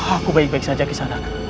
aku baik baik saja kisanak